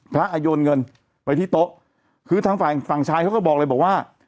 พระอ่ะโยนเงินไปที่โต๊ะคือทางฝั่งชายเขาก็บอกเลยบอกว่า